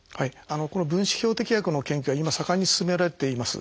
この分子標的薬の研究は今盛んに進められています。